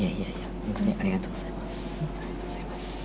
ありがとうございます。